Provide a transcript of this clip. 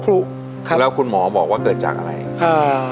แล้วคุณหมอบอกว่าเกิดจากอะไรอ่า